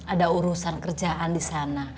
ada urusan kerjaan disana